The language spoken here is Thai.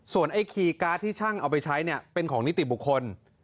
ไอ้คีย์การ์ดที่ช่างเอาไปใช้เนี่ยเป็นของนิติบุคคล